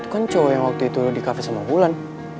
itu kan cowok yang waktu itu lu di cafe sama wulan